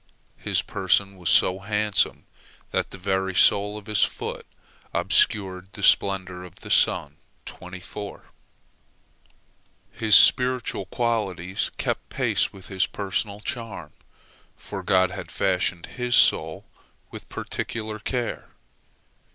His person was so handsome that the very sole of his foot obscured the splendor of the sun. His spiritual qualities kept pace with his personal charm, for God had fashioned his soul with particular care.